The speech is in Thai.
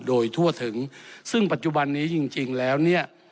โดยทั่วถึงซึ่งปัจจุบันนี้จริงแล้วเนี่ย